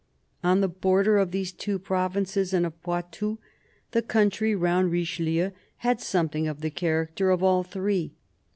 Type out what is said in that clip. On the border of these two provinces and of Poitou, the country round Richelieu had something of the character of all three.